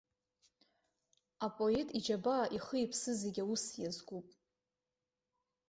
Апоет иџьабаа, ихы-иԥсы зегь уи аус иазкуп.